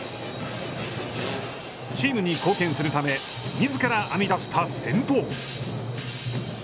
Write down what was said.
チームに貢献するためみずから編みだした戦法。